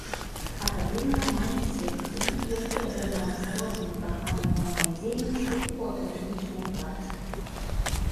Акадэмія мае секцыі, якія займаюцца рознымі бакамі моўнай дзейнасці ў акадэмічнай працы.